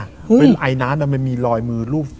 เป็นไอน้ำมันมีรอยมือรูป